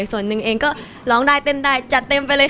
ส่วนหนึ่งเองก็ร้องได้เต้นได้จัดเต็มไปเลยค่ะ